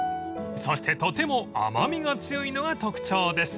［そしてとても甘味が強いのが特徴です］